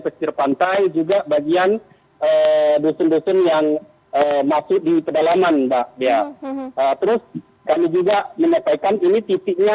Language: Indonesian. pesisir pantai juga bagian dusun dusun yang masuk di pedalaman mbak dea terus kami juga menyampaikan ini titiknya